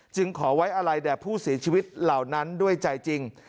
ขอไว้อะไรแด่ผู้เสียชีวิตเหล่านั้นด้วยใจจริง